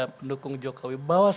pendukung jokowi bahwa